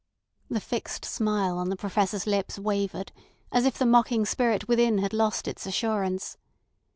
The fixed smile on the Professor's lips wavered, as if the mocking spirit within had lost its assurance.